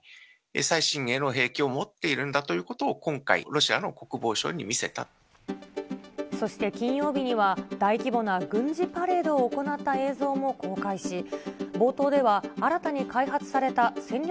最新鋭の兵器を持っているんだということを今回、ロシアの国防相そして金曜日には、大規模な軍事パレードを行った映像も公開し、冒頭では新たに開発された戦略